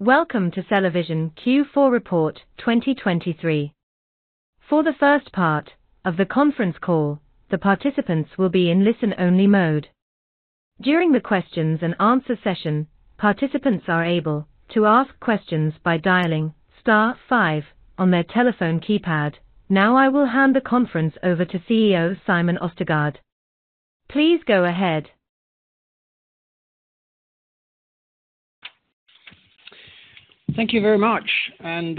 Welcome to CellaVision Q4 Report 2023. For the first part of the conference call, the participants will be in listen-only mode. During the questions and answer session, participants are able to ask questions by dialing star five on their telephone keypad. Now, I will hand the conference over to CEO Simon Østergaard. Please go ahead. Thank you very much, and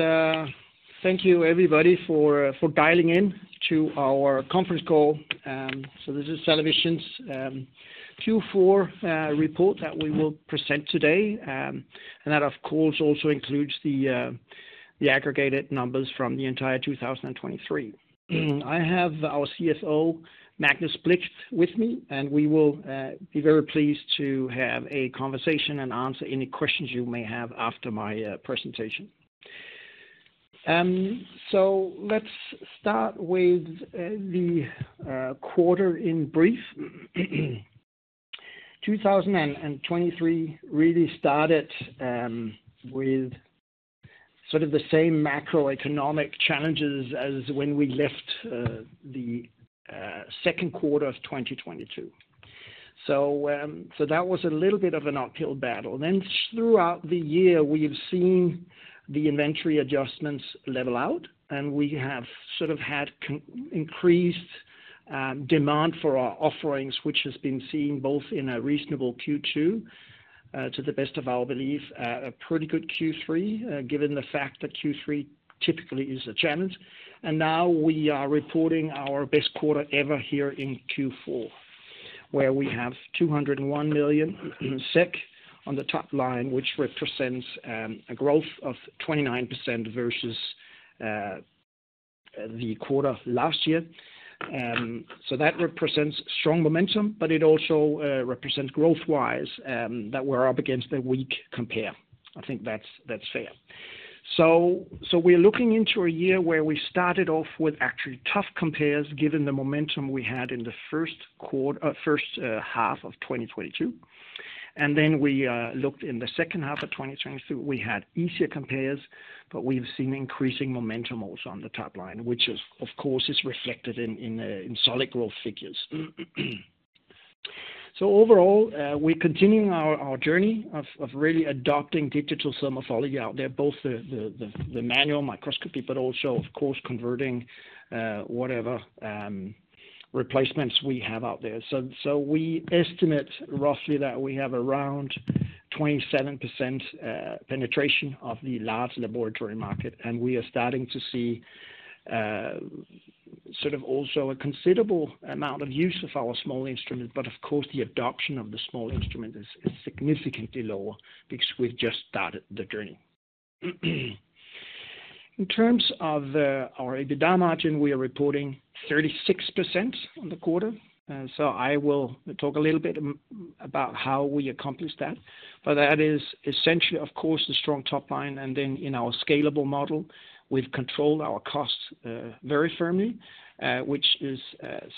thank you everybody for dialing in to our conference call. So this is CellaVision's Q4 report that we will present today. And that, of course, also includes the aggregated numbers from the entire 2023. I have our CFO, Magnus Blixt, with me, and we will be very pleased to have a conversation and answer any questions you may have after my presentation. So let's start with the quarter in brief. 2023 really started with sort of the same macroeconomic challenges as when we left the second quarter of 2022. So that was a little bit of an uphill battle. Then throughout the year, we've seen the inventory adjustments level out, and we have sort of had increased demand for our offerings, which has been seen both in a reasonable Q2, to the best of our belief, a pretty good Q3, given the fact that Q3 typically is a challenge. And now we are reporting our best quarter ever here in Q4, where we have 201 million on the top line, which represents a growth of 29% versus the quarter last year. So that represents strong momentum, but it also represents growth-wise that we're up against a weak compare. I think that's, that's fair. So we're looking into a year where we started off with actually tough compares, given the momentum we had in the first half of 2022, and then we looked in the second half of 2022, we had easier compares, but we've seen increasing momentum also on the top line, which is, of course, reflected in solid growth figures. So overall, we're continuing our journey of really adopting digital morphology out there, both the manual microscopy, but also, of course, converting whatever replacements we have out there. So we estimate roughly that we have around 27% penetration of the large laboratory market, and we are starting to see sort of also a considerable amount of use of our small instrument. But of course, the adoption of the small instrument is significantly lower because we've just started the journey. In terms of our EBITDA margin, we are reporting 36% on the quarter, so I will talk a little bit about how we accomplished that. But that is essentially, of course, the strong top line, and then in our scalable model, we've controlled our costs very firmly, which is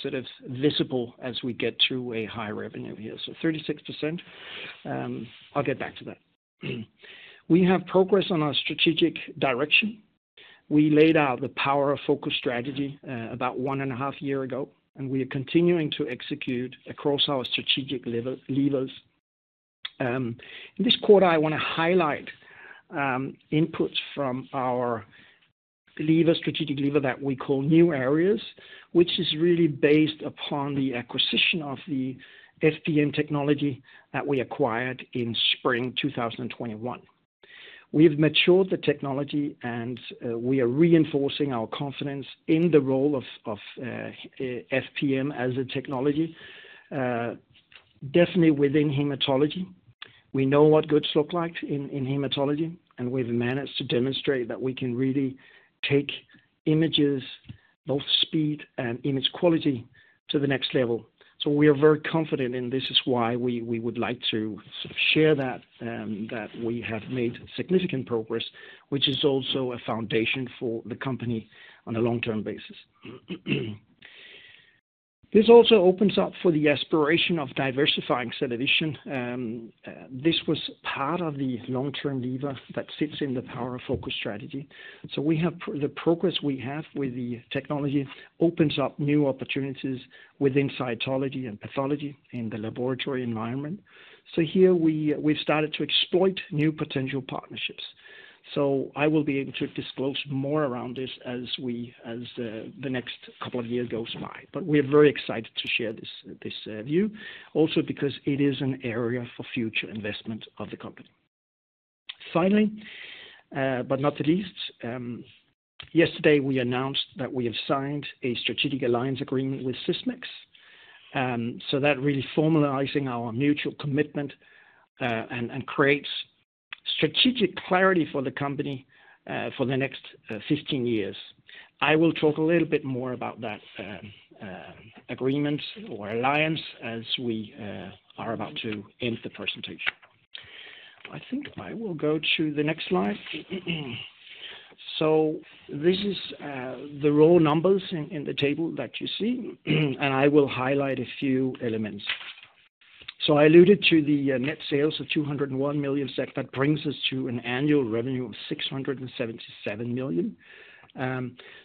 sort of visible as we get to a high revenue here. So 36%, I'll get back to that. We have progress on our strategic direction. We laid out the Power of Focus strategy about one and a half year ago, and we are continuing to execute across our strategic levers. In this quarter, I want to highlight inputs from our lever, strategic lever that we call New Areas, which is really based upon the acquisition of the FPM technology that we acquired in spring 2021. We've matured the technology, and we are reinforcing our confidence in the role of FPM as a technology. Definitely within hematology, we know what goods look like in hematology, and we've managed to demonstrate that we can really take images, both speed and image quality, to the next level. So we are very confident, and this is why we would like to sort of share that we have made significant progress, which is also a foundation for the company on a long-term basis. This also opens up for the aspiration of diversifying CellaVision. This was part of the long-term lever that sits in the power focus strategy. The progress we have with the technology opens up new opportunities within cytology and pathology in the laboratory environment. So here we've started to exploit new potential partnerships. So I will be able to disclose more around this as the next couple of years goes by. But we're very excited to share this view also because it is an area for future investment of the company. Finally, but not the least, yesterday we announced that we have signed a strategic alliance agreement with Sysmex. So that really formalizing our mutual commitment and creates strategic clarity for the company for the next 15 years. I will talk a little bit more about that, agreement or alliance as we are about to end the presentation. I think I will go to the next slide. So this is the raw numbers in the table that you see, and I will highlight a few elements. So I alluded to the net sales of 201 million SEK. That brings us to an annual revenue of 677 million.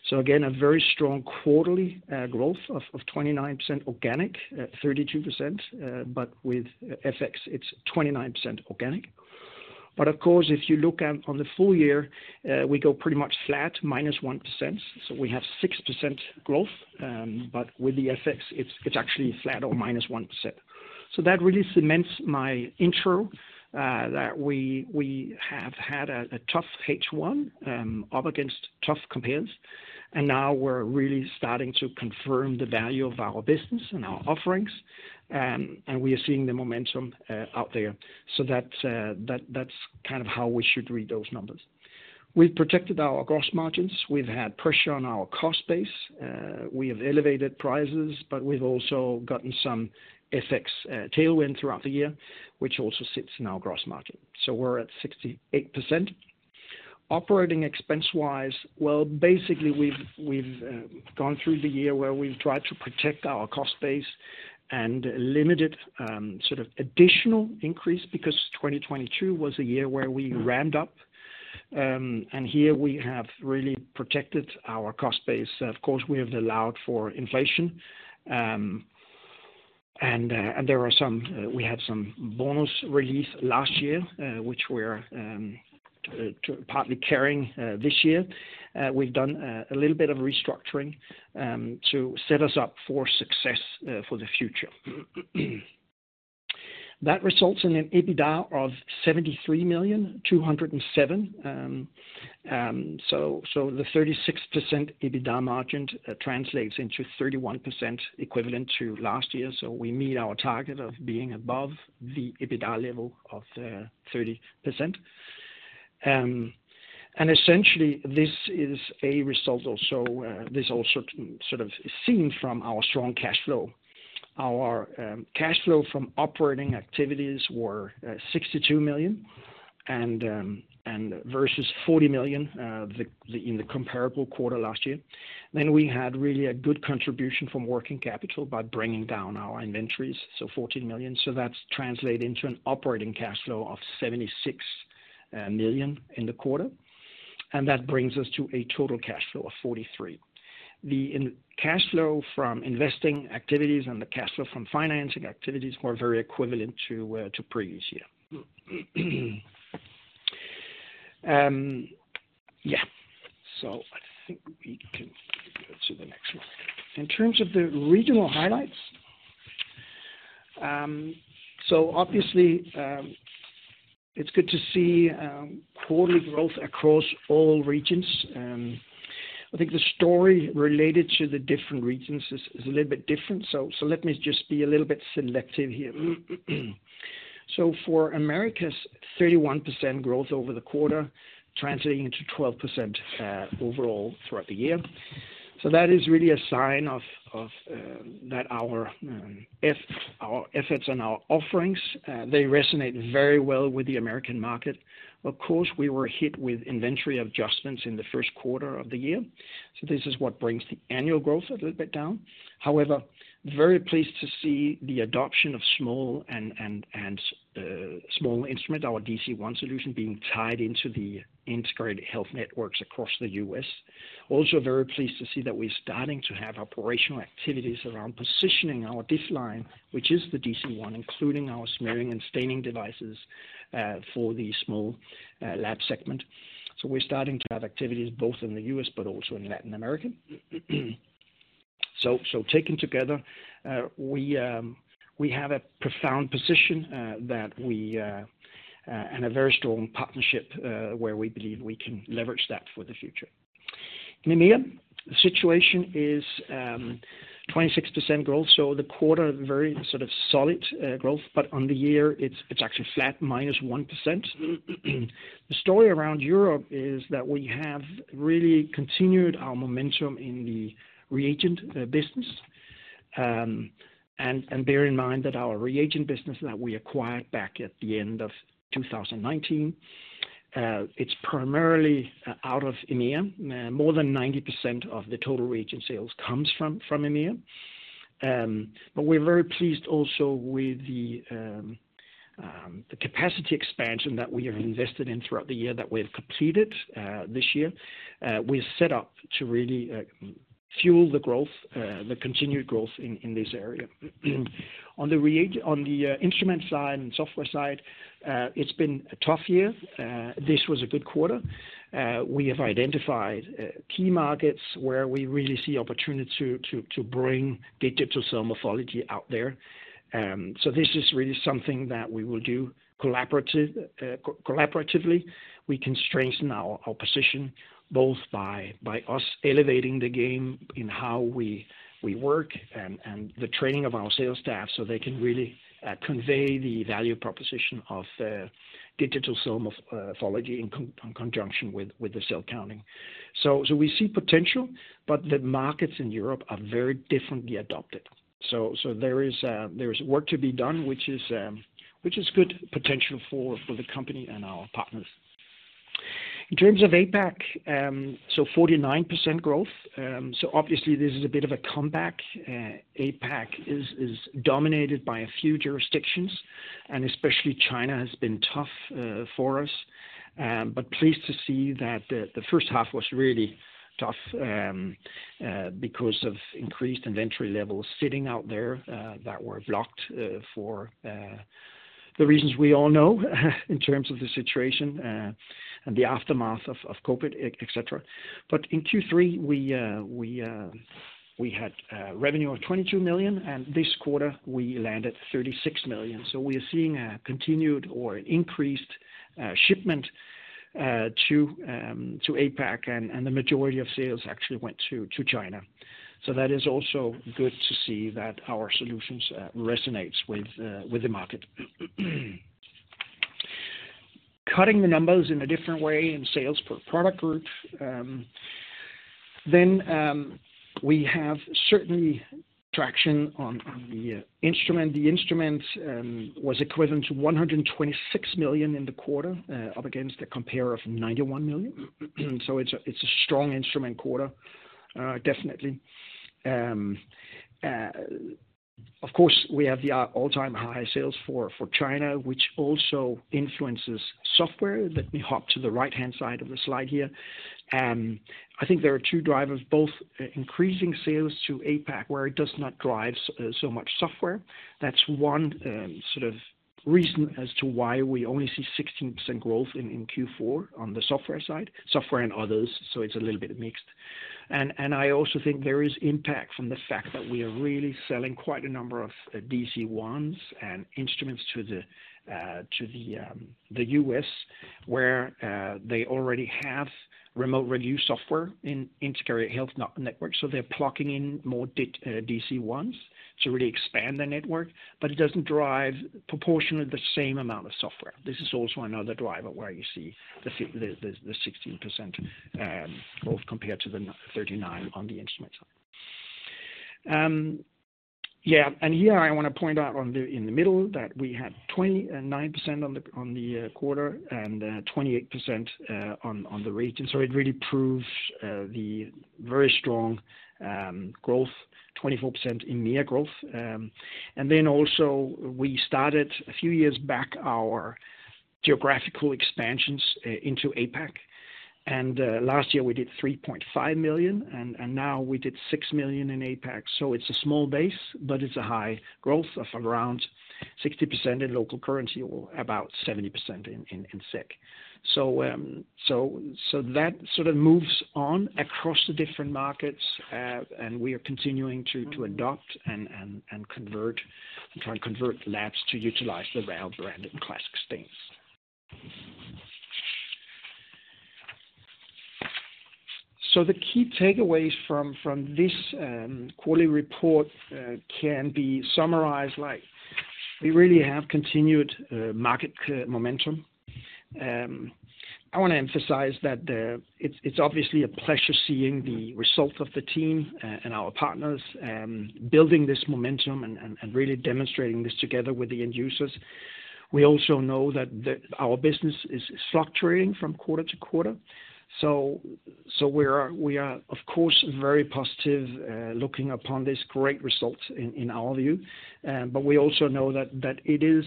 So again, a very strong quarterly growth of 29% organic, 32%, but with FX, it's 29% organic. But of course, if you look at on the full-year, we go pretty much flat, -1%. So we have 6% growth, but with the FX, it's actually flat or -1%. So that really cements my intro that we have had a tough H1 up against tough comparisons, and now we're really starting to confirm the value of our business and our offerings, and we are seeing the momentum out there. So that's kind of how we should read those numbers. We've protected our gross margins. We've had pressure on our cost base. We have elevated prices, but we've also gotten some FX tailwind throughout the year, which also sits in our gross margin. So we're at 68%. Operating expense-wise, well, basically, we've gone through the year where we've tried to protect our cost base and limited sort of additional increase, because 2022 was a year where we ramped up. And here we have really protected our cost base. Of course, we have allowed for inflation, and there are some, we had some bonus relief last year, which we're to partly carrying this year. We've done a little bit of restructuring to set us up for success for the future. That results in an EBITDA of 73.207 million. So the 36% EBITDA margin translates into 31% equivalent to last year. So we meet our target of being above the EBITDA level of 30%. And essentially, this is a result also, this also sort of is seen from our strong cash flow. Our cash flow from operating activities were 62 million, and versus 40 million in the comparable quarter last year. Then we had really a good contribution from working capital by bringing down our inventories, so 14 million. So that's translated into an operating cash flow of 76 million in the quarter, and that brings us to a total cash flow of 43 million. The cash flow from investing activities and the cash flow from financing activities were very equivalent to previous year. So I think we can go to the next one. In terms of the regional highlights, so obviously, it's good to see quarterly growth across all regions. I think the story related to the different regions is a little bit different. So let me just be a little bit selective here. So for Americas, 31% growth over the quarter, translating into 12% overall throughout the year. So that is really a sign of that our efforts and our offerings, they resonate very well with the American market. Of course, we were hit with inventory adjustments in the first quarter of the year. So this is what brings the annual growth a little bit down. However, very pleased to see the adoption of small instrument, our DC-1 solution, being tied into the integrated health networks across the US. Also, very pleased to see that we're starting to have operational activities around positioning our DIFF-Line, which is the DC-1, including our smearing and staining devices, for the small lab segment. So we're starting to have activities both in the US but also in Latin America. So taken together, we have a profound position that we and a very strong partnership where we believe we can leverage that for the future. In EMEA, the situation is 26% growth, so the quarter very sort of solid growth, but on the year, it's actually flat, -1%. The story around Europe is that we have really continued our momentum in the reagent business. And bear in mind that our reagent business that we acquired back at the end of 2019, it's primarily out of EMEA. More than 90% of the total reagent sales comes from EMEA. But we're very pleased also with the capacity expansion that we have invested in throughout the year that we've completed this year. We're set up to really fuel the continued growth in this area. On the instrument side and software side, it's been a tough year. This was a good quarter. We have identified key markets where we really see opportunity to bring the digital cell morphology out there. So this is really something that we will do collaboratively. We can strengthen our position, both by us elevating the game in how we work and the training of our sales staff, so they can really convey the value proposition of digital cell morphology in conjunction with the cell counting. We see potential, but the markets in Europe are very differently adopted. So there is work to be done, which is good potential for the company and our partners. In terms of APAC, 49% growth. So obviously this is a bit of a comeback. APAC is dominated by a few jurisdictions, and especially China has been tough for us. But pleased to see that the first half was really tough because of increased inventory levels sitting out there that were blocked for the reasons we all know, in terms of the situation and the aftermath of COVID, etc. But in Q3, we had revenue of 22 million, and this quarter we landed 36 million. So we are seeing a continued or increased shipment to APAC, and the majority of sales actually went to China. So that is also good to see that our solutions resonates with the market. Cutting the numbers in a different way in sales per product group, then we have certainly traction on the instrument. The instrument was equivalent to 126 million in the quarter, up against a compare of 91 million. So it's a strong instrument quarter, definitely. Of course, we have the all-time high sales for China, which also influences software. Let me hop to the right-hand side of the slide here. I think there are two drivers, both increasing sales to APAC, where it does not drive so much software. That's one sort of reason as to why we only see 16% growth in Q4 on the software side, software and others, so it's a little bit mixed. And I also think there is impact from the fact that we are really selling quite a number of DC-1s and instruments to the US, where they already have remote review software in integrated health network. So they're plugging in more DC-1s to really expand the network, but it doesn't drive proportionately the same amount of software. This is also another driver where you see the 16% growth compared to the 39 on the instrument side. Yeah, and here I want to point out in the middle that we had 29% on the quarter and 28% on the region. So it really proves the very strong growth, 24% in year growth. And then also we started a few years back our geographical expansions into APAC. And last year we did 3.5 million, and now we did 6 million in APAC. So it's a small base, but it's a high growth of around 60% in local currency, or about 70% in SEK. So that sort of moves on across the different markets, and we are continuing to adopt and convert, and try and convert labs to utilize the RAL brand and classic stains. So the key takeaways from this quarterly report can be summarized like we really have continued market momentum. I want to emphasize that. It's obviously a pleasure seeing the result of the team and our partners building this momentum and really demonstrating this together with the end users. We also know that our business is fluctuating from quarter to quarter. So we are, of course, very positive looking upon this great result in our view. But we also know that it is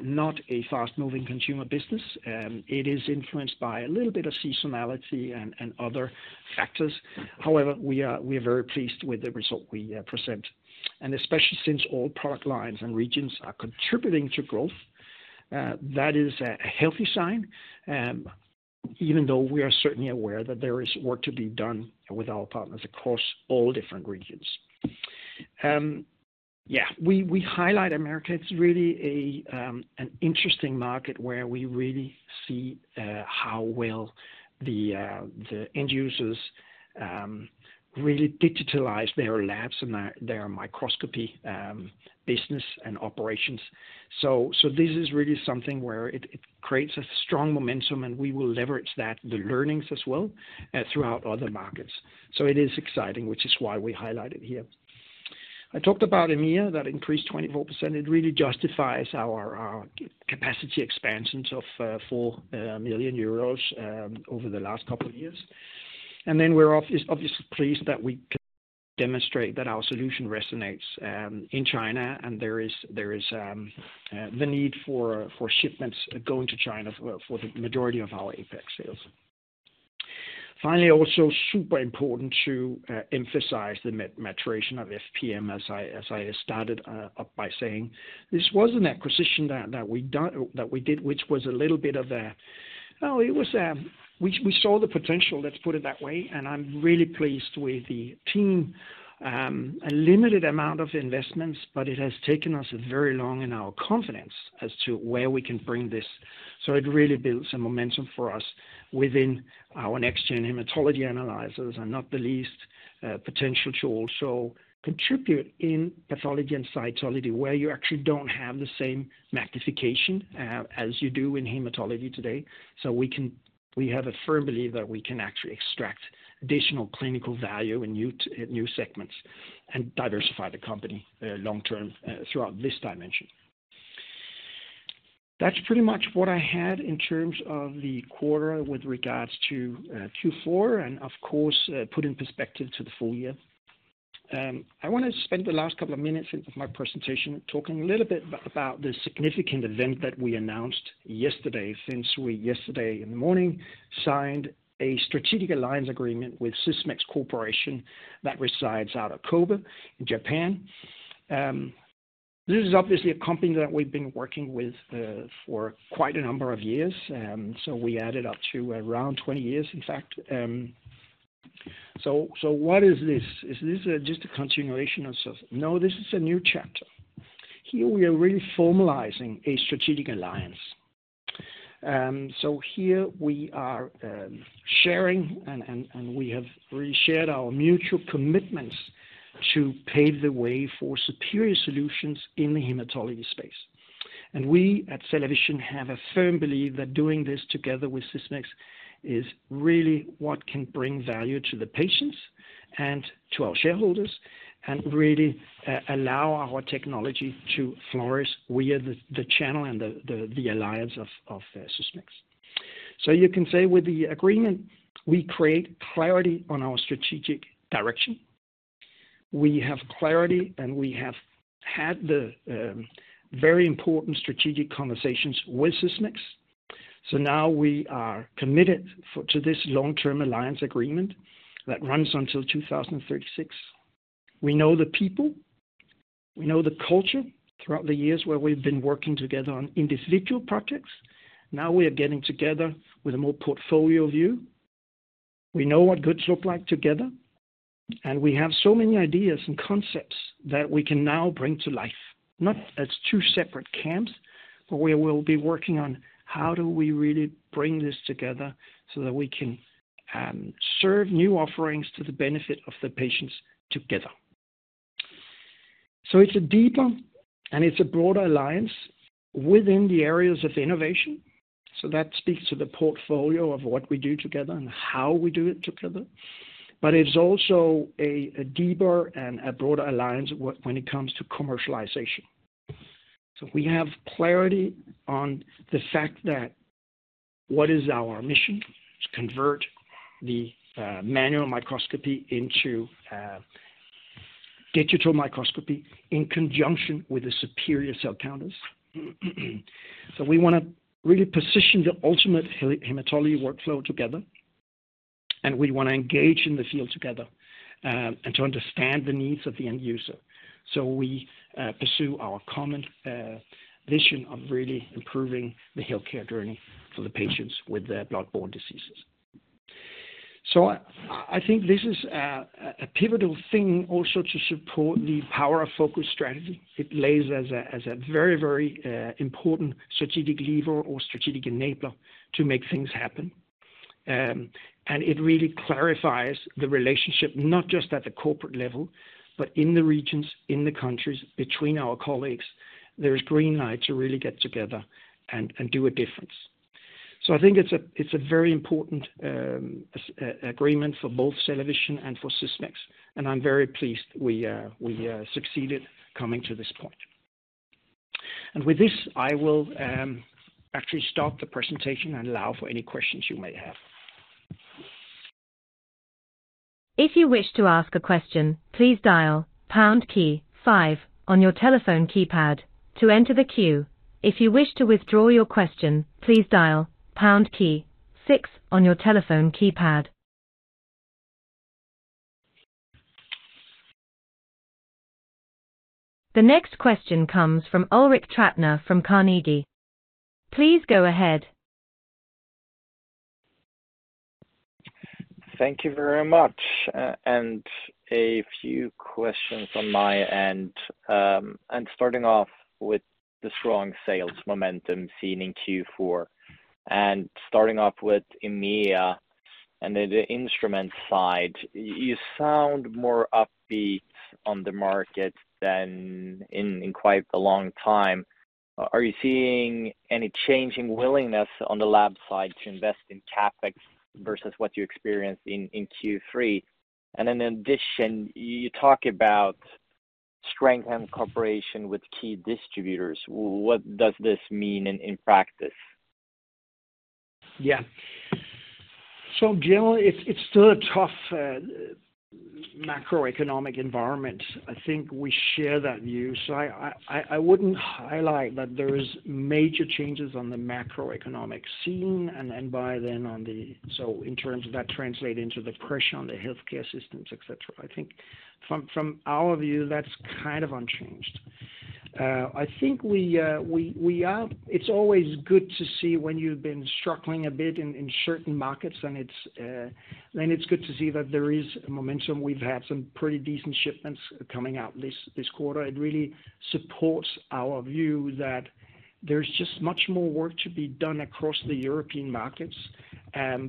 not a fast-moving consumer business. It is influenced by a little bit of seasonality and other factors. However, we are very pleased with the result we present, and especially since all product lines and regions are contributing to growth. That is a healthy sign, even though we are certainly aware that there is work to be done with our partners across all different regions. Yeah, we highlight Americas. It's really an interesting market where we really see how well the end users really digitalize their labs and their microscopy business and operations. So this is really something where it creates a strong momentum, and we will leverage that, the learnings as well, throughout other markets. So it is exciting, which is why we highlight it here. I talked about EMEA, that increased 24%. It really justifies our capacity expansions of 4 million euros over the last couple of years. Then we're obviously pleased that we can demonstrate that our solution resonates in China, and there is the need for shipments going to China for the majority of our APAC sales. Finally, also super important to emphasize the maturation of FPM, as I started up by saying. This was an acquisition that we did, which was a little bit of a, Well, it was, we saw the potential, let's put it that way, and I'm really pleased with the team. A limited amount of investments, but it has taken us very long in our confidence as to where we can bring this. So it really builds some momentum for us within our next-gen hematology analyzers, and not the least potential to also contribute in pathology and cytology, where you actually don't have the same magnification, as you do in hematology today. So we can, we have a firm belief that we can actually extract additional clinical value in new segments and diversify the company, long term, throughout this dimension. That's pretty much what I had in terms of the quarter with regards to Q4, and of course, put in perspective to the full-year. I wanna spend the last couple of minutes of my presentation talking a little bit about the significant event that we announced yesterday, since we yesterday in the morning signed a strategic alliance agreement with Sysmex Corporation that resides out of Kobe, in Japan. This is obviously a company that we've been working with, for quite a number of years, so we added up to around 20 years, in fact. So what is this? Is this just a continuation of Sysmex? No, this is a new chapter. Here, we are really formalizing a strategic alliance. So here we are, sharing, and we have really shared our mutual commitments to pave the way for superior solutions in the hematology space. And we, at CellaVision, have a firm belief that doing this together with Sysmex is really what can bring value to the patients and to our shareholders, and really allow our technology to flourish via the channel and the alliance of Sysmex. So you can say with the agreement, we create clarity on our strategic direction. We have clarity, and we have had the very important strategic conversations with Sysmex. So now we are committed for, to this long-term alliance agreement that runs until 2036. We know the people, we know the culture throughout the years where we've been working together on individual projects. Now we are getting together with a more portfolio view. We know what goods look like together, and we have so many ideas and concepts that we can now bring to life. Not as two separate camps, but we will be working on how do we really bring this together so that we can serve new offerings to the benefit of the patients together. So it's a deeper, and it's a broader alliance within the areas of innovation. So that speaks to the portfolio of what we do together and how we do it together. But it's also a deeper and a broader alliance when it comes to commercialization. So we have clarity on the fact that what is our mission? To convert the manual microscopy into digital microscopy in conjunction with the superior cell counters. So we wanna really position the ultimate hematology workflow together, and we wanna engage in the field together, and to understand the needs of the end user. So we pursue our common vision of really improving the healthcare journey for the patients with the blood-borne diseases. So I think this is a pivotal thing also to support the power of focus strategy. It lays as a very, very important strategic lever or strategic enabler to make things happen. And it really clarifies the relationship, not just at the corporate level, but in the regions, in the countries, between our colleagues. There is green light to really get together and, and do a difference. So I think it's a, it's a very important agreement for both CellaVision and for Sysmex, and I'm very pleased we, we succeeded coming to this point. And with this, I will actually stop the presentation and allow for any questions you may have. If you wish to ask a question, please dial pound key five on your telephone keypad to enter the queue. If you wish to withdraw your question, please dial pound key six on your telephone keypad. The next question comes from Ulrik Trattner, from Carnegie. Please go ahead. Thank you very much, and a few questions on my end. And starting off with the strong sales momentum seen in Q4, and starting off with EMEA and then the instrument side, you sound more upbeat on the market than in quite a long time. Are you seeing any change in willingness on the lab side to invest in CapEx versus what you experienced in Q3? And then in addition, you talk about strength and cooperation with key distributors. What does this mean in practice? Yeah. So generally, it's still a tough macroeconomic environment. I think we share that view. So I wouldn't highlight that there is major changes on the macroeconomic scene and by then on the, So in terms of that, translate into the pressure on the healthcare systems, et cetera. I think from our view, that's kind of unchanged. I think we are. It's always good to see when you've been struggling a bit in certain markets, and it's then good to see that there is a momentum. We've had some pretty decent shipments coming out this quarter. It really supports our view that there's just much more work to be done across the European markets,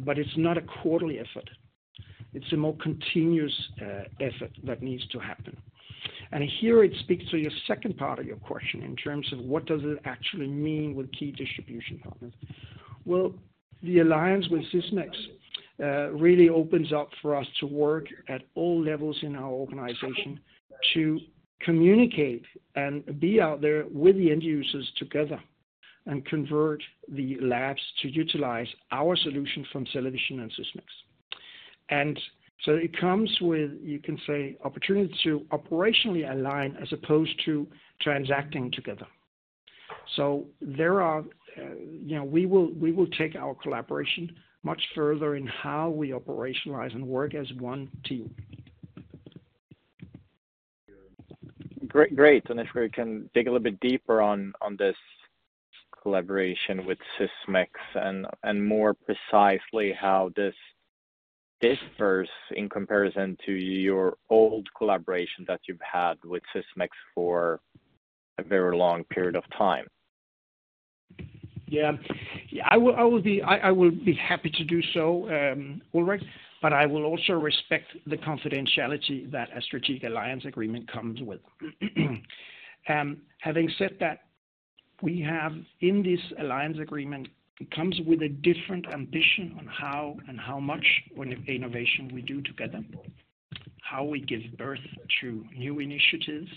but it's not a quarterly effort. It's a more continuous effort that needs to happen. And here, it speaks to your second part of your question in terms of what does it actually mean with key distribution partners? Well, the alliance with Sysmex really opens up for us to work at all levels in our organization, to communicate and be out there with the end users together, and convert the labs to utilize our solution from CellaVision and Sysmex. And so it comes with, you can say, opportunity to operationally align as opposed to transacting together. So there are, you know, we will, we will take our collaboration much further in how we operationalize and work as one team. Great, great. And if we can dig a little bit deeper on this collaboration with Sysmex and more precisely how this differs in comparison to your old collaboration that you've had with Sysmex for a very long period of time. Yeah. I will be happy to do so, Ulrik, but I will also respect the confidentiality that a strategic alliance agreement comes with. Having said that, we have in this alliance agreement, it comes with a different ambition on how and how much on innovation we do together, how we give birth to new initiatives,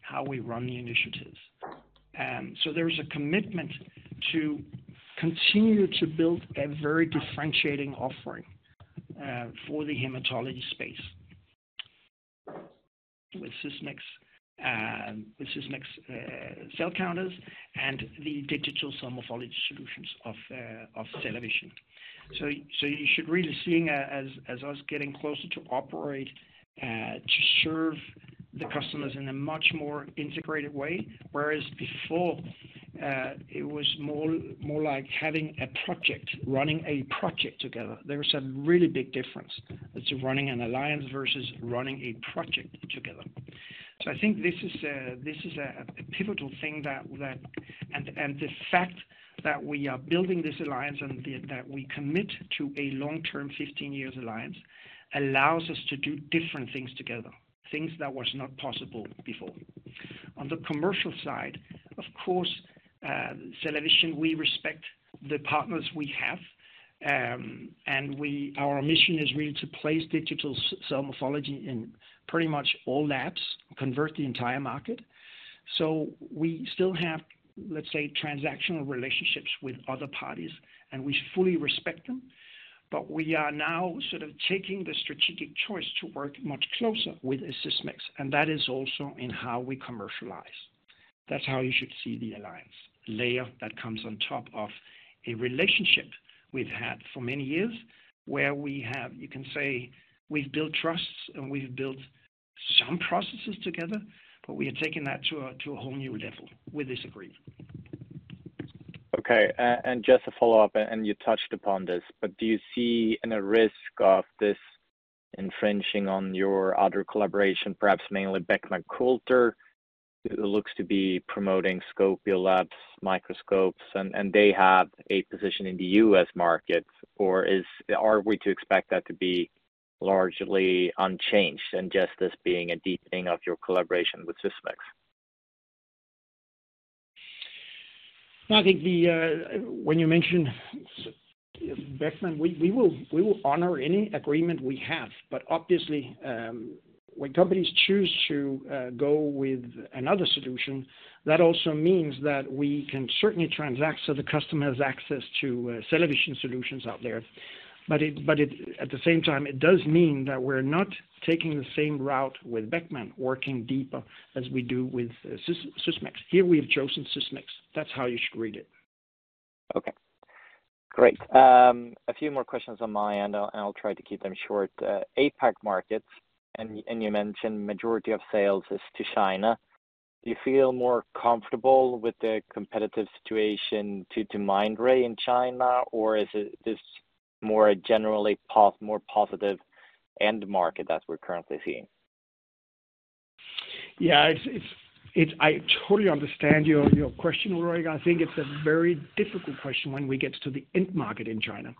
how we run the initiatives. So there is a commitment to continue to build a very differentiating offering for the hematology space. With Sysmex cell counters and the digital cell morphology solutions of CellaVision. So you should really see us as getting closer to operate to serve the customers in a much more integrated way, whereas before it was more like having a project, running a project together. There is a really big difference to running an alliance versus running a project together. So I think this is a pivotal thing that, and the fact that we are building this alliance and that we commit to a long-term 15 years alliance, allows us to do different things together, things that was not possible before. On the commercial side, of course, CellaVision, we respect the partners we have, and our mission is really to place digital cell morphology in pretty much all labs, convert the entire market. So we still have, let's say, transactional relationships with other parties, and we fully respect them, but we are now sort of taking the strategic choice to work much closer with Sysmex, and that is also in how we commercialize. That's how you should see the alliance, layer that comes on top of a relationship we've had for many years, where we have, you can say, we've built trusts, and we've built some processes together, but we are taking that to a whole new level with this agreement. Okay, and just a follow-up, and you touched upon this, but do you see any risk of this infringing on your other collaboration, perhaps mainly Beckman Coulter, who looks to be promoting Scopio Labs microscopes, and they have a position in the U.S. market? Or are we to expect that to be largely unchanged and just as being a deepening of your collaboration with Sysmex? I think when you mention Beckman, we will honor any agreement we have. But obviously, when companies choose to go with another solution, that also means that we can certainly transact so the customer has access to CellaVision solutions out there. But at the same time, it does mean that we're not taking the same route with Beckman, working deeper as we do with Sysmex. Here we've chosen Sysmex. That's how you should read it. Okay, great. A few more questions on my end, and I'll try to keep them short. APAC markets, and you mentioned majority of sales is to China. Do you feel more comfortable with the competitive situation due to Mindray in China, or is it just more a generally more positive end market that we're currently seeing? Yeah, it's, I totally understand your question, Ulrik. I think it's a very difficult question when we get to the end market in China.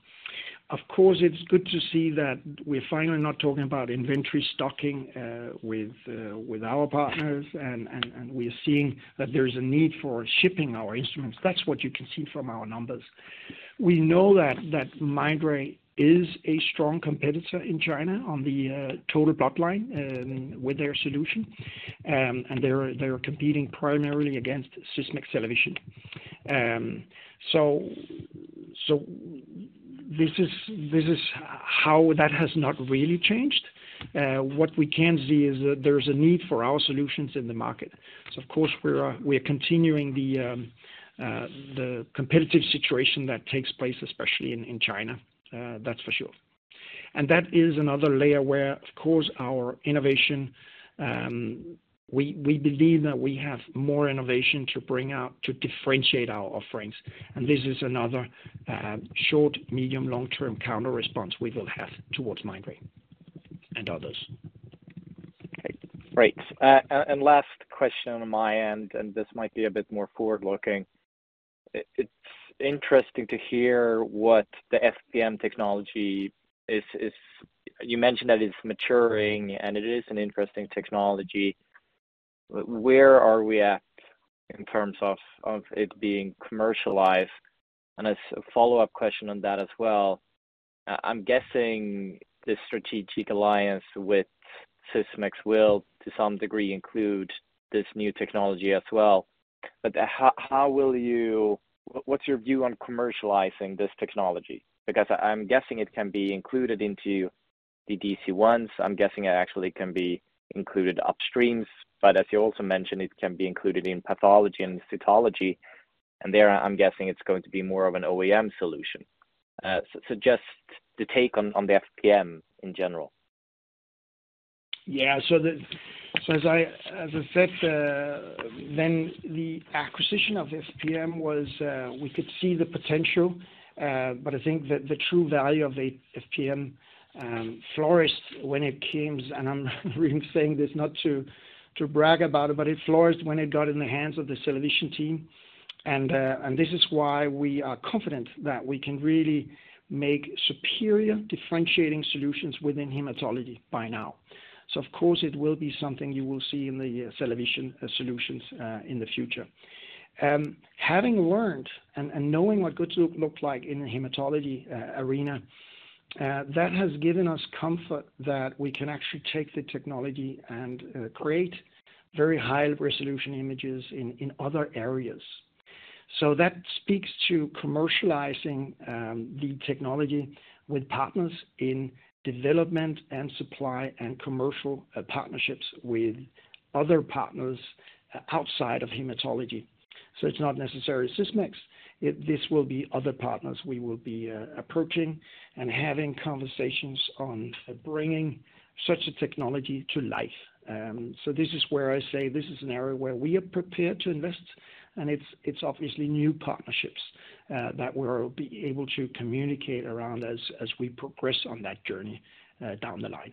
Of course, it's good to see that we're finally not talking about inventory stocking with our partners, and we are seeing that there is a need for shipping our instruments. That's what you can see from our numbers. We know that Mindray is a strong competitor in China on the total blood line with their solution, and they're competing primarily against Sysmex, CellaVision. This is how that has not really changed. What we can see is that there's a need for our solutions in the market. So of course, we are continuing the competitive situation that takes place, especially in China, that's for sure. And that is another layer where, of course, our innovation, we believe that we have more innovation to bring out to differentiate our offerings, and this is another short, medium, long-term counter response we will have towards Mindray and others. Right. And last question on my end, and this might be a bit more forward-looking. It's interesting to hear what the FPM technology is. You mentioned that it's maturing, and it is an interesting technology. Where are we at in terms of it being commercialized? And as a follow-up question on that as well, I'm guessing this strategic alliance with Sysmex will, to some degree, include this new technology as well. But how will you, what's your view on commercializing this technology? Because I'm guessing it can be included into the DC-1s. I'm guessing it actually can be included upstream, but as you also mentioned, it can be included in pathology and cytology, and there, I'm guessing it's going to be more of an OEM solution. So just the take on the FPM in general. Yeah, so as I said, when the acquisition of FPM was, we could see the potential, but I think that the true value of the FPM flourished when it came, and I'm really saying this not to brag about it, but it flourished when it got in the hands of the CellaVision team. And this is why we are confident that we can really make superior differentiating solutions within hematology by now. So of course, it will be something you will see in the CellaVision solutions in the future. Having learned and knowing what good looks like in the hematology arena, that has given us comfort that we can actually take the technology and create very high-resolution images in other areas. So that speaks to commercializing, the technology with partners in development and supply and commercial, partnerships with other partners outside of hematology. So it's not necessarily Sysmex. This will be other partners we will be, approaching and having conversations on bringing such a technology to life. So this is where I say this is an area where we are prepared to invest, and it's, it's obviously new partnerships, that we'll be able to communicate around as, as we progress on that journey, down the line.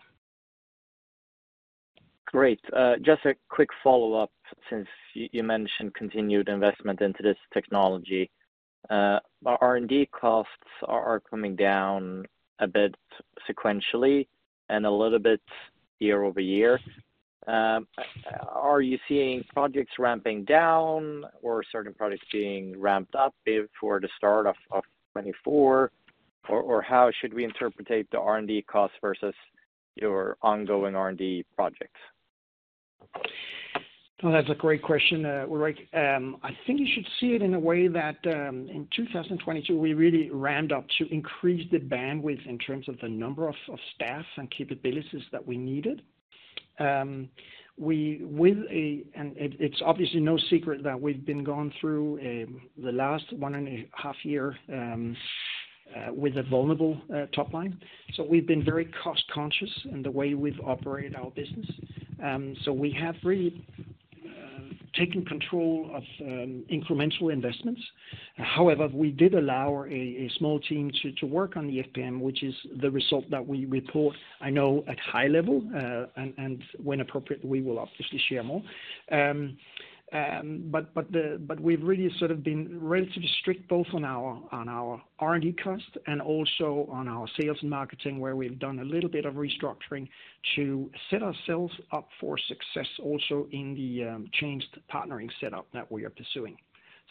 Great. Just a quick follow-up, since you mentioned continued investment into this technology. R&D costs are coming down a bit sequentially and a little bit year-over-year. Are you seeing projects ramping down or certain projects being ramped up before the start of 2024? Or how should we interpret the R&D cost versus your ongoing R&D projects? Well, that's a great question, Ulrik. I think you should see it in a way that, in 2022, we really ramped up to increase the bandwidth in terms of the number of staff and capabilities that we needed. And it's obviously no secret that we've been going through the last one and a half year with a vulnerable top line. So we've been very cost-conscious in the way we've operated our business. So we have really taken control of incremental investments. However, we did allow a small team to work on the FPM, which is the result that we report, I know, at high level, and when appropriate, we will obviously share more. but we've really sort of been relatively strict, both on our R&D cost and also on our sales and marketing, where we've done a little bit of restructuring to set ourselves up for success, also in the changed partnering setup that we are pursuing.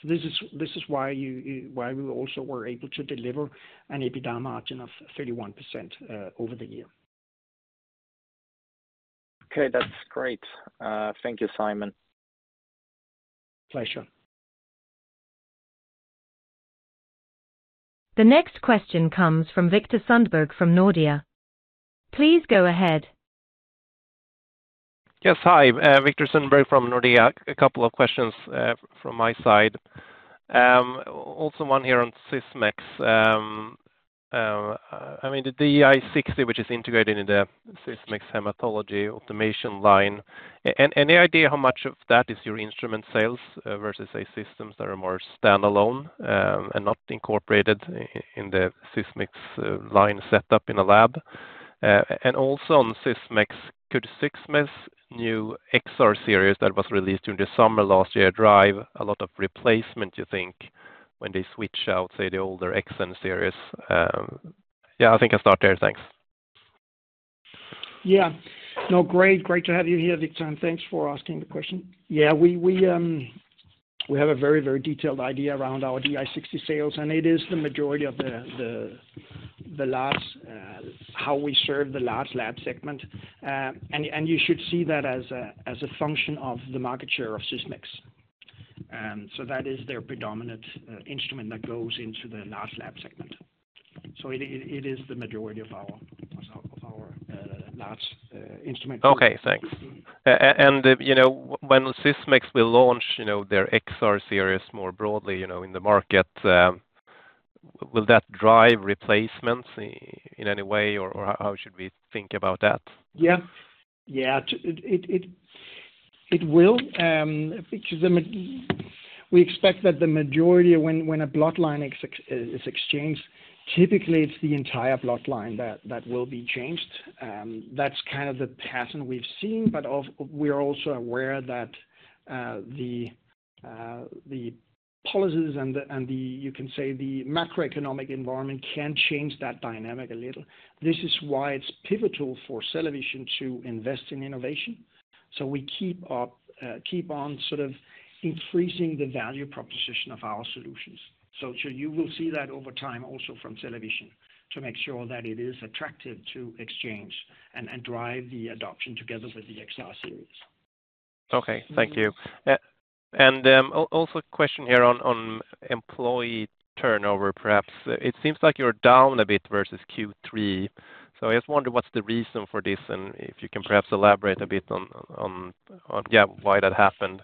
So this is why we also were able to deliver an EBITDA margin of 31% over the year. Okay, that's great. Thank you, Simon. Pleasure. The next question comes from Viktor Sundberg from Nordea. Please go ahead. Yes, hi. Viktor Sundberg from Nordea. A couple of questions from my side. Also one here on Sysmex. I mean the DI-60, which is integrated in the Sysmex hematology automation line. Any idea how much of that is your instrument sales versus, say, systems that are more standalone and not incorporated in the Sysmex line set up in a lab? And also on Sysmex, could Sysmex new XR series that was released during the summer last year drive a lot of replacement, you think, when they switch out, say, the older XN series? Yeah, I think I'll start there. Thanks. Yeah. No, great, great to have you here, Viktor, and thanks for asking the question. Yeah, we have a very, very detailed idea around our DI-60 sales, and it is the majority of the large how we serve the large lab segment. And you should see that as a function of the market share of Sysmex. So that is their predominant instrument that goes into the large lab segment. So it is the majority of our large instrument. Okay, thanks. And, you know, when Sysmex will launch, you know, their XR series more broadly, you know, in the market, will that drive replacements in any way, or how should we think about that? Yeah. Yeah, it will, which is the majority. We expect that the majority when a blood line exchange is exchanged, typically it's the entire blood line that will be changed. That's kind of the pattern we've seen, but we are also aware that the policies and the you can say the macroeconomic environment can change that dynamic a little. This is why it's pivotal for CellaVision to invest in innovation. So we keep up, keep on sort of increasing the value proposition of our solutions. So you will see that over time also from CellaVision, to make sure that it is attractive to exchange and drive the adoption together with the XR series. Okay, thank you. And also a question here on employee turnover, perhaps. It seems like you're down a bit versus Q3, so I just wonder what's the reason for this, and if you can perhaps elaborate a bit on, yeah, why that happened,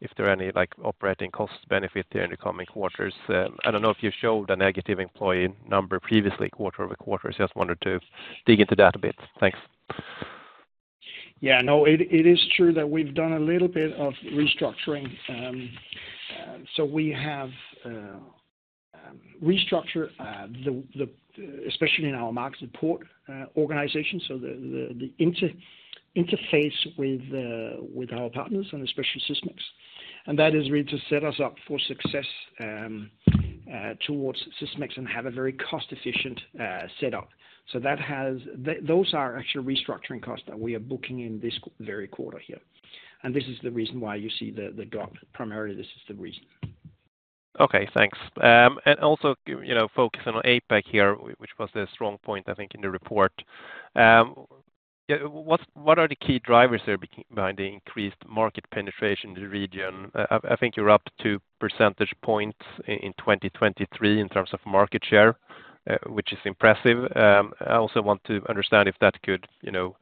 if there are any, like, operating cost benefit there in the coming quarters. I don't know if you showed a negative employee number previously, quarter-over-quarter. Just wanted to dig into that a bit. Thanks. Yeah, no, it is true that we've done a little bit of restructuring. So we have restructured the, especially in our market support organization, so the interface with our partners and especially Sysmex. And that is really to set us up for success towards Sysmex and have a very cost-efficient setup. So that has... Those are actually restructuring costs that we are booking in this very quarter here. And this is the reason why you see the drop. Primarily, this is the reason. Okay, thanks. And also, you know, focusing on APAC here, which was a strong point, I think, in the report. Yeah, what are the key drivers there behind the increased market penetration in the region? I think you're up two percentage points in 2023 in terms of market share, which is impressive. I also want to understand if that could, you know,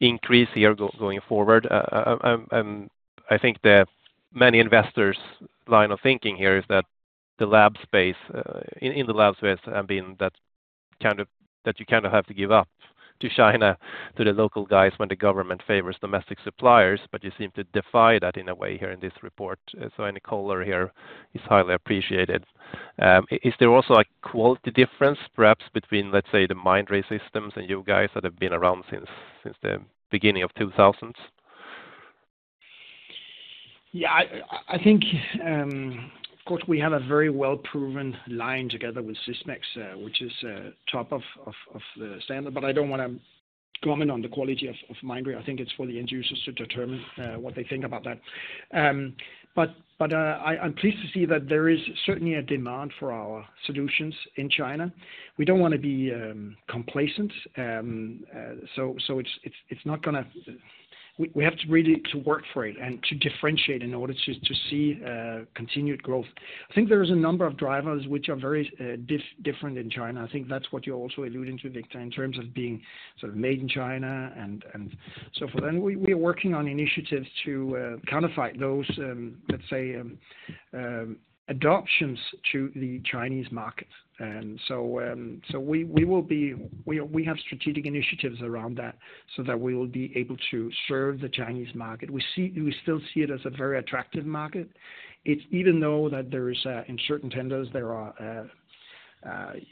increase here going forward. I think the many investors' line of thinking here is that the lab space in the lab space have been that kind of, that you kind of have to give up to China, to the local guys when the government favors domestic suppliers, but you seem to defy that in a way here in this report. So any color here is highly appreciated. Is there also a quality difference, perhaps, between, let's say, the Mindray systems and you guys that have been around since the beginning of 2000s? Yeah, I think, of course, we have a very well-proven line together with Sysmex, which is top of the standard, but I don't want to comment on the quality of Mindray. I think it's for the end users to determine what they think about that. But I'm pleased to see that there is certainly a demand for our solutions in China. We don't want to be complacent. So it's not gonna, We have to really work for it and to differentiate in order to see continued growth. I think there is a number of drivers which are very different in China. I think that's what you're also alluding to, Viktor, in terms of being sort of made in China and so forth. We are working on initiatives to counterfight those, let's say, adoptions to the Chinese market. So we have strategic initiatives around that, so that we will be able to serve the Chinese market. We still see it as a very attractive market. It's even though there is, in certain tenders, there are,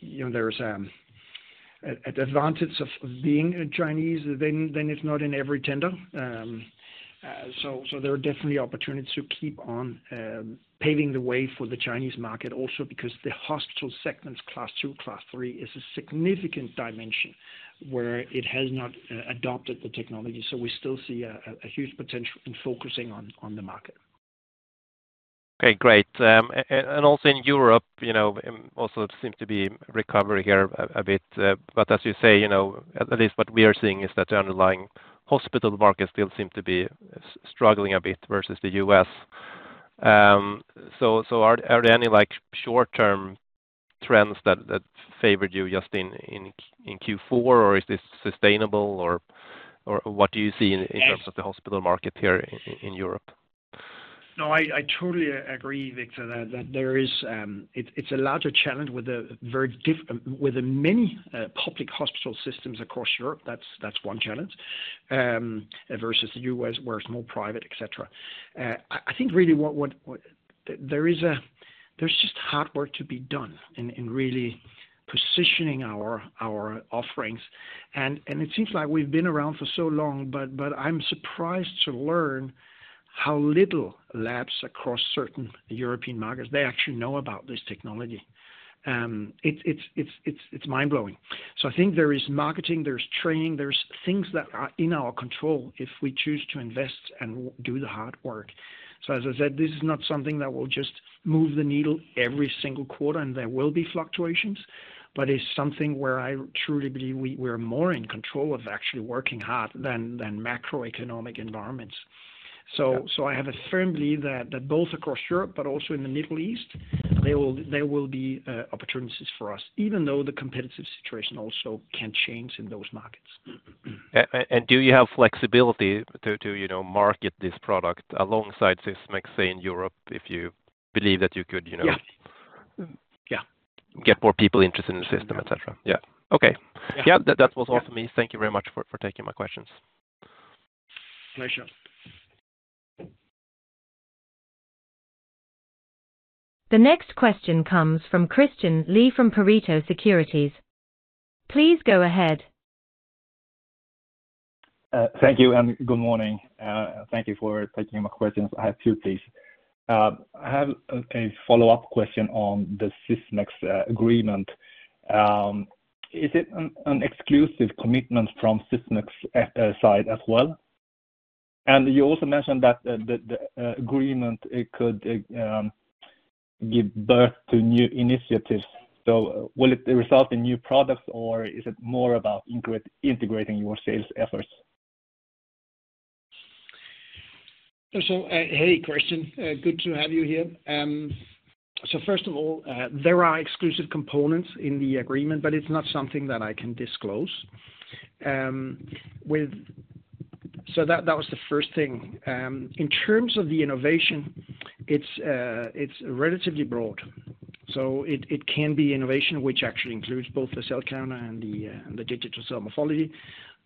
you know, there's a, an advantage of being Chinese than if not in every tender. So there are definitely opportunities to keep on paving the way for the Chinese market also because the hospital segments, class 2, class 3, is a significant dimension where it has not adopted the technology. So we still see a huge potential in focusing on the market. Okay, great. And also in Europe, you know, also seem to be recovery here a bit, but as you say, you know, at least what we are seeing is that the underlying hospital market still seem to be struggling a bit versus the US. So, are there any, like, short-term trends that favored you just in Q4, or is this sustainable, or what do you see in Yes terms of the hospital market here in Europe? No, I truly agree, Viktor, that there is. It's a larger challenge with many public hospital systems across Europe. That's one challenge versus the U.S., where it's more private, et cetera. I think really there's just hard work to be done in really positioning our offerings. And it seems like we've been around for so long, but I'm surprised to learn how little labs across certain European markets they actually know about this technology. It's mind-blowing. So I think there is marketing, there's training, there's things that are in our control if we choose to invest and do the hard work. So as I said, this is not something that will just move the needle every single quarter, and there will be fluctuations, but it's something where I truly believe we're more in control of actually working hard than macroeconomic environments. I have a firm belief that both across Europe but also in the Middle East, there will be opportunities for us, even though the competitive situation also can change in those markets. Do you have flexibility to, you know, market this product alongside Sysmex in Europe, if you believe that you could, you know Yeah. Yeah, get more people interested in the system, et cetera. Yeah. Okay. Yeah, that, that was all for me. Thank you very much for, for taking my questions. Pleasure. The next question comes from Christian Lee from Pareto Securities. Please go ahead. Thank you, and good morning, thank you for taking my questions. I have two, please. I have a follow-up question on the Sysmex agreement. Is it an exclusive commitment from Sysmex side as well? And you also mentioned that the agreement, it could give birth to new initiatives. So will it result in new products, or is it more about integrating your sales efforts? So, hey, Christian, good to have you here. So first of all, there are exclusive components in the agreement, but it's not something that I can disclose. So that, that was the first thing. In terms of the innovation, it's relatively broad. So it, it can be innovation, which actually includes both the cell counter and the digital cell morphology,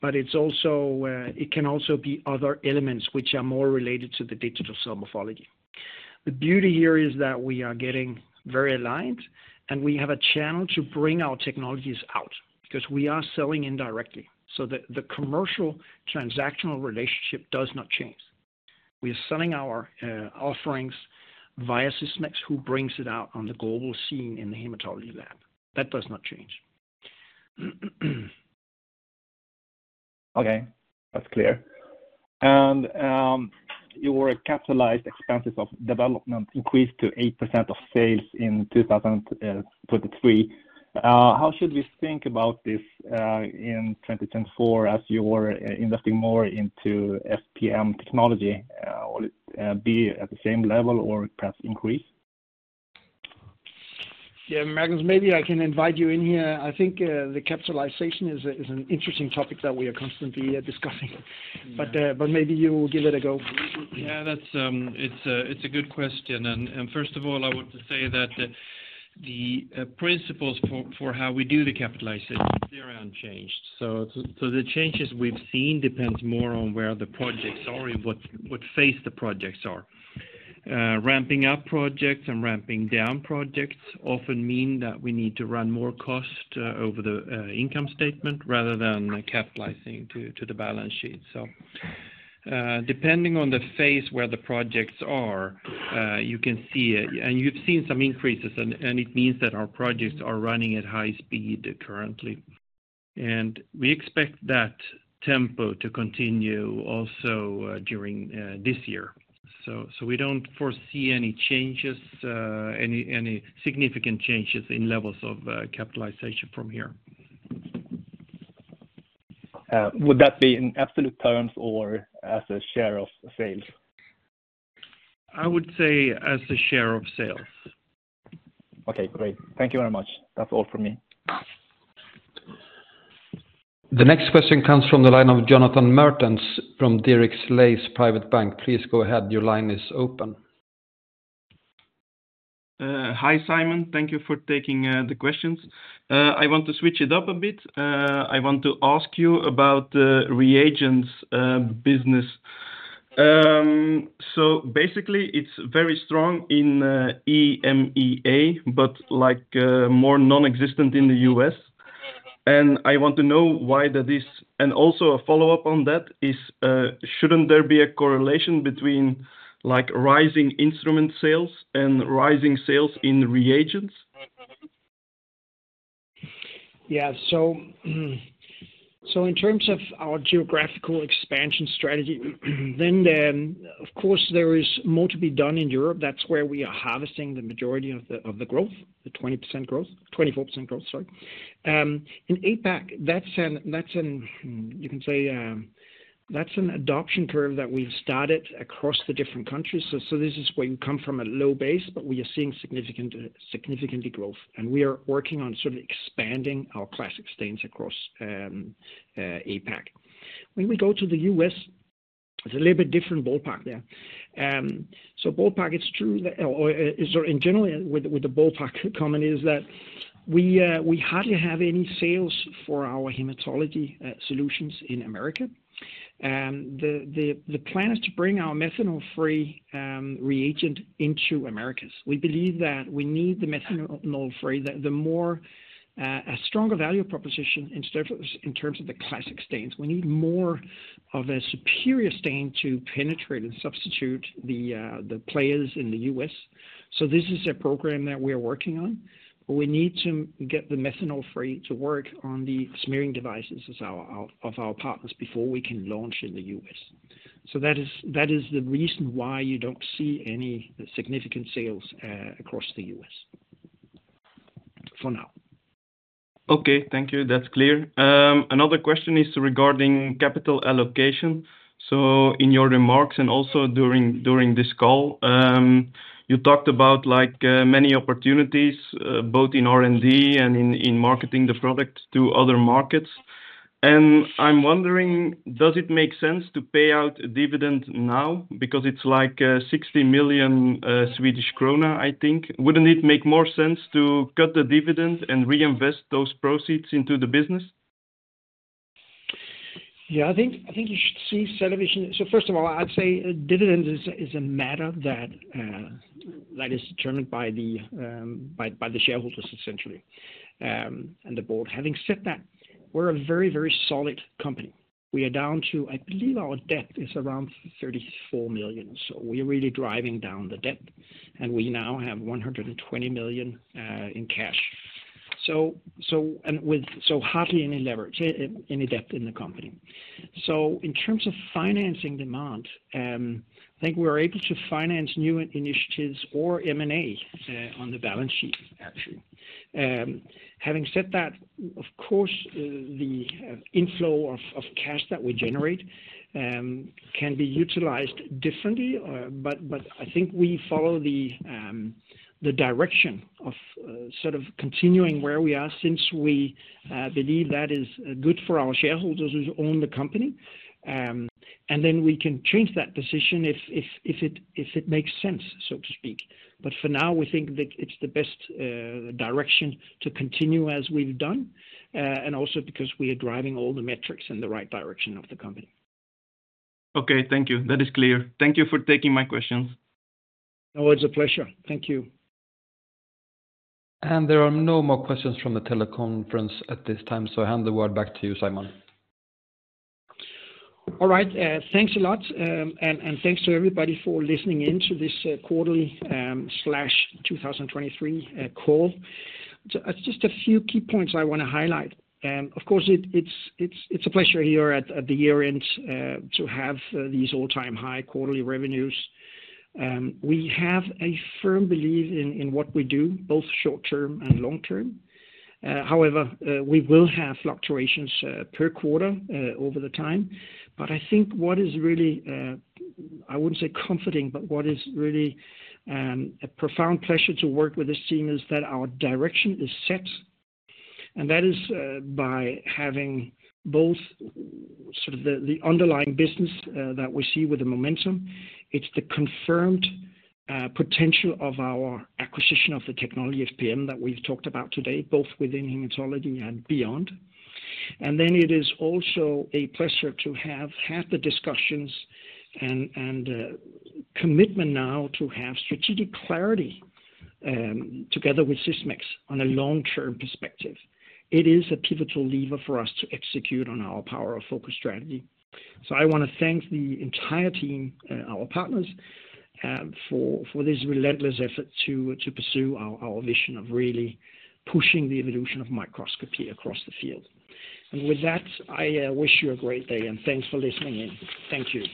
but it's also it can also be other elements which are more related to the digital cell morphology. The beauty here is that we are getting very aligned, and we have a channel to bring our technologies out, because we are selling indirectly. So the commercial transactional relationship does not change. We are selling our offerings via Sysmex, who brings it out on the global scene in the hematology lab. That does not change. Okay, that's clear. Your capitalized expenses of development increased to 8% of sales in 2023. How should we think about this in 2024, as you were investing more into FPM technology? Will it be at the same level or perhaps increase? Yeah, Magnus, maybe I can invite you in here. I think, the capitalization is an interesting topic that we are constantly discussing, but, but maybe you give it a go. Yeah, that's, it's a, it's a good question, and, and first of all, I want to say that the, the, principles for, for how we do the capitalization, they're unchanged. So, so the changes we've seen depends more on where the projects are and what, what phase the projects are. Ramping up projects and ramping down projects often mean that we need to run more cost, over the, income statement rather than capitalizing to, to the balance sheet. So, depending on the phase where the projects are, you can see, and you've seen some increases, and, and it means that our projects are running at high speed currently. And we expect that tempo to continue also, during, this year. So, so we don't foresee any changes, any, any significant changes in levels of, capitalization from here. Would that be in absolute terms or as a share of sales? I would say as a share of sales. Okay, great. Thank you very much. That's all for me. The next question comes from the line of Jonathan Mertens from Dierickx Leys Private Bank. Please go ahead. Your line is open. Hi, Simon. Thank you for taking the questions. I want to switch it up a bit. I want to ask you about the reagents business. So basically, it's very strong in EMEA, but like more nonexistent in the U.S. And I want to know why that is. And also a follow-up on that is, shouldn't there be a correlation between like rising instrument sales and rising sales in reagents? Yeah. So in terms of our geographical expansion strategy, then, of course, there is more to be done in Europe. That's where we are harvesting the majority of the growth, the 20% growth, 24% growth, sorry. In APAC, that's an adoption curve that we've started across the different countries. So this is where you come from a low base, but we are seeing significant growth, and we are working on sort of expanding our classic stains across APAC. When we go to the U.S., it's a little bit different ballpark there. So ballpark, it's true that, so in general, with the ballpark comment, is that we hardly have any sales for our hematology solutions in America. The plan is to bring our methanol-free reagent into Americas. We believe that we need the methanol-free, more a stronger value proposition in terms of the classic stains. We need more of a superior stain to penetrate and substitute the players in the U.S. So this is a program that we are working on, but we need to get the methanol free to work on the smearing devices as our partners before we can launch in the U.S. So that is the reason why you don't see any significant sales across the U.S. for now. Okay, thank you. That's clear. Another question is regarding capital allocation. So in your remarks, and also during this call, you talked about like many opportunities both in R&D and in marketing the product to other markets. And I'm wondering, does it make sense to pay out a dividend now? Because it's like 60 million Swedish krona, I think. Wouldn't it make more sense to cut the dividend and reinvest those proceeds into the business? Yeah, I think you should see CellaVision. So first of all, I'd say dividend is a matter that is determined by the shareholders, essentially, and the board. Having said that, we're a very, very solid company. We are down to, I believe our debt is around 34 million, so we're really driving down the debt, and we now have 120 million in cash. So, and with hardly any leverage, any debt in the company. So in terms of financing demand, I think we're able to finance new initiatives or M&A on the balance sheet, actually. Having said that, of course, the inflow of cash that we generate can be utilized differently, but I think we follow the direction of sort of continuing where we are since we believe that is good for our shareholders who own the company. And then we can change that position if it makes sense, so to speak. But for now, we think that it's the best direction to continue as we've done, and also because we are driving all the metrics in the right direction of the company. Okay, thank you. That is clear. Thank you for taking my questions. Always a pleasure. Thank you. There are no more questions from the teleconference at this time, so I hand the word back to you, Simon. All right, thanks a lot, and thanks to everybody for listening in to this quarterly slash 2023 call. So just a few key points I want to highlight. Of course, it's a pleasure here at the year-end to have these all-time high quarterly revenues. We have a firm belief in what we do, both short term and long term. However, we will have fluctuations per quarter over the time. But I think what is really, I wouldn't say comforting, but what is really a profound pleasure to work with this team is that our direction is set, and that is by having both sort of the underlying business that we see with the momentum. It's the confirmed potential of our acquisition of the technology FPM, that we've talked about today, both within hematology and beyond. And then it is also a pleasure to have had the discussions and commitment now to have strategic clarity together with Sysmex on a long-term perspective. It is a pivotal lever for us to execute on our power of focus strategy. So I want to thank the entire team, our partners for this relentless effort to pursue our vision of really pushing the evolution of microscopy across the field. And with that, I wish you a great day, and thanks for listening in. Thank you.